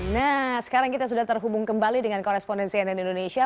nah sekarang kita sudah terhubung kembali dengan korespondensi nn indonesia